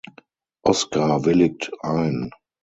Oscar willigt ein.